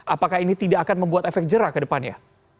apakah ini tidak akan membuat efek jerah ke depannya